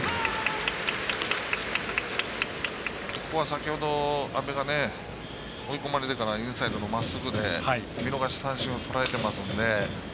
先ほど、阿部が追い込まれてからインサイドのまっすぐで見逃し三振をとらえてますので。